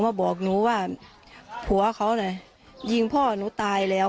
มาบอกหนูว่าผัวเขาน่ะยิงพ่อหนูตายแล้ว